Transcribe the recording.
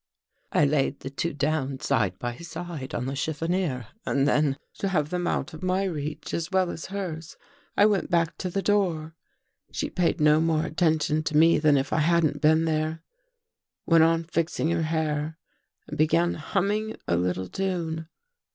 " I laid the two down side by side on the chiffonier and then, to have them out of my reach, as well as hers, I went back to the door. She paid no more attention to me than if I hadn't been there — went on fixing her hair and began humming a little tune.